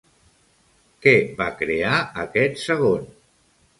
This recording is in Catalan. Què va crear aquest segon?